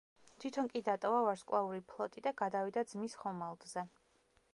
თვითონ კი დატოვა ვარსკვლავური ფლოტი და გადავიდა ძმის ხომალდზე.